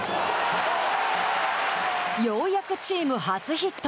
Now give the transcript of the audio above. ようやくチーム初ヒット。